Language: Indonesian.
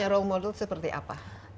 jadi apa yang terjadi